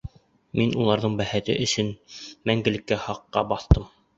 Мин уларҙың бәхете өсөн мәңгелек һаҡҡа баҫтым.